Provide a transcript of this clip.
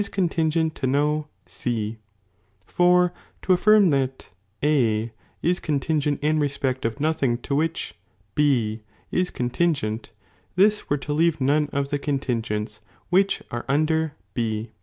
contingent to no C, for to affirm that A is contin gent in respect of nothing to wluch B is contin gent, this were to leave none of the contingents which are under B.